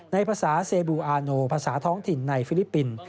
ในภาษาเซบูอาโนภาษาท้องถิ่นในฟิลิปปินส์